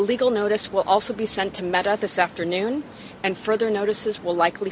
peringatan legal juga akan dihantar ke meta pagi ini dan peringatan lebih lanjut akan diikuti